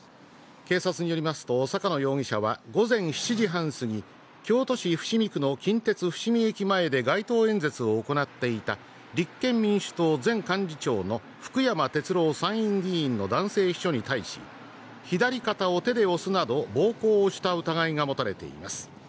警察によりますと、坂野容疑者は午前７時半過ぎ、京都市伏見区の近鉄伏見駅前で街頭演説を行っていた立憲民主党前幹事長の福山哲郎参院議員の男性秘書に対し、左肩を手で押すなど暴行をした疑いが持たれています。